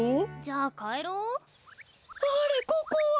あれここは。